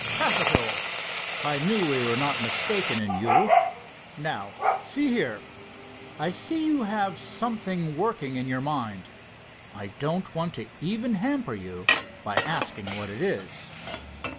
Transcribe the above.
"Capital! I knew we were not mistaken in you. Now, see here, I see you have something working in your mind. I don't want to even hamper you by asking what it is."